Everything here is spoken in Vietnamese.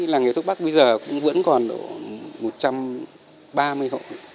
làng nghề thuốc bắc bây giờ vẫn còn một trăm ba mươi hộ